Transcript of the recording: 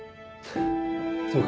そうか。